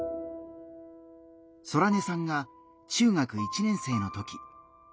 ソラネさんが中学１年生の時。